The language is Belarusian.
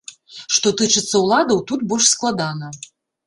Што тычыцца ўладаў, тут больш складана.